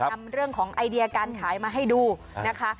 นำเรื่องของไอเดียการขายมาให้ดูนะคะ